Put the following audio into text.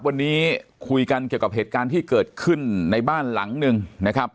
วันนี้คุยกันเกี่ยวกับเหตุการณ์ที่เกิดขึ้นในบ้านหลังหนึ่งนะครับ